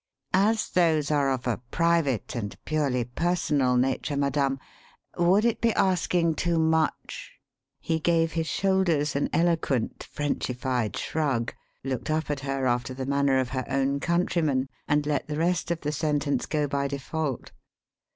As those are of a private and purely personal nature, madame, would it be asking too much " He gave his shoulders an eloquent Frenchified shrug, looked up at her after the manner of her own countrymen, and let the rest of the sentence go by default.